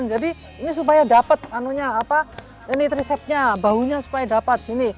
jadi ini supaya dapat ini trisepnya baunya supaya dapat